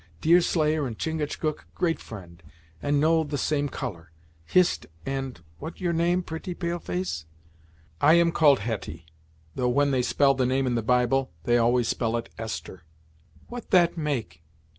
Deerslayer and Chingachgook great friend, and no the same colour, Hist and what your name, pretty pale face?" "I am called Hetty, though when they spell the name in the bible, they always spell it Esther." "What that make?